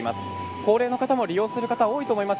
高齢な方も利用する方が多いと思います。